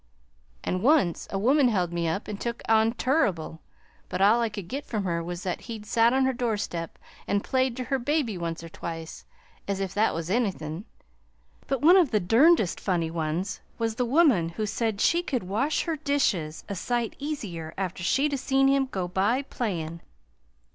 "An' once a woman held me up, an' took on turrible, but all I could git from her was that he'd sat on her doorstep an' played ter her baby once or twice; as if that was anythin'! But one of the derndest funny ones was the woman who said she could wash her dishes a sight easier after she'd a seen him go by playin'.